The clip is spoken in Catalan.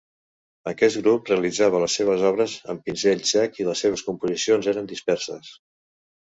Aquest grup realitzava les seves obres amb pinzell sec i les seves composicions eren disperses.